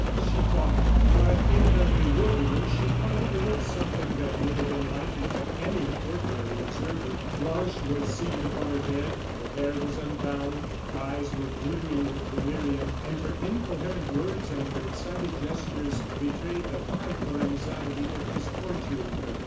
she thought. But in her bewilderment she quite overlooked something that would have enlightened any ordinary observer. Blanche was seated upon her bed, her hair was unbound, her eyes were glittering with delirium, and her incoherent words and her excited gestures betrayed the frightful anxiety that was torturing her.